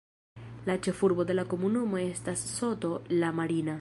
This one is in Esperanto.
La ĉefurbo de la komunumo estas Soto la Marina.